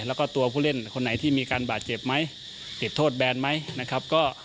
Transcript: แล้วก็ตัวผู้เล่นคนไหนที่มีการบาดเจ็บไหมติดโทษแบนไหมนะครับ